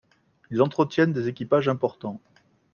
Ils entretiennent des équipages importants.